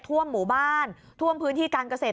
ท่วมหมู่บ้านท่วมพื้นที่การเกษตร